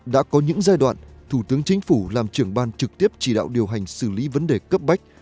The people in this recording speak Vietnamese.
đã có những giai đoạn thủ tướng chính phủ làm trưởng ban trực tiếp chỉ đạo điều hành xử lý vấn đề cấp bách